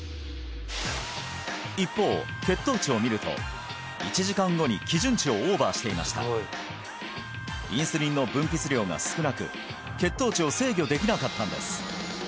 一方血糖値を見ると１時間後に基準値をオーバーしていましたインスリンの分泌量が少なく血糖値を制御できなかったんです